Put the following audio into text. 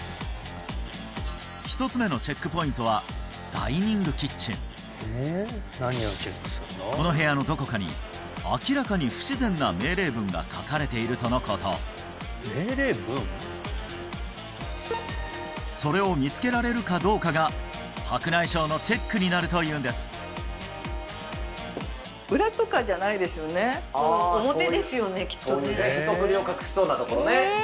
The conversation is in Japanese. １つ目のチェックポイントはこの部屋のどこかに明らかに不自然な命令文が書かれているとのことそれを見つけられるかどうかが白内障のチェックになるというんですヘソクリを隠しそうなところね